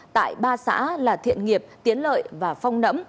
tại ba xã là thiện nghiệp tiến lợi và phong nẫm